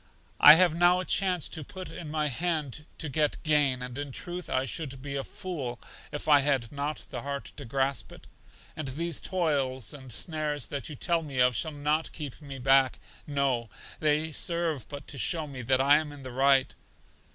I have now a chance put in my hand to get gain, and in truth I should be a fool if I had not the heart to grasp it. And these toils and snares that you tell me of shall not keep me back; no, they serve but to show me that I am in the right.